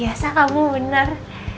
iya sah kamu bener